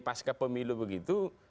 pas kepemilu begitu